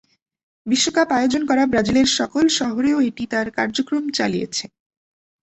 বিশ্বকাপ আয়োজন করা ব্রাজিলের সকল শহরেও এটি তার কার্যক্রম চালিয়েছে।